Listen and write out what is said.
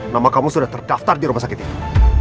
nama kamu sudah terdaftar di rumah sakit ini